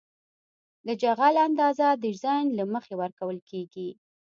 د جغل اندازه د ډیزاین له مخې ورکول کیږي